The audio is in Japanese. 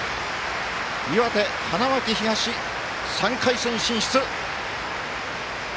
岩手、花巻東、３回戦進出。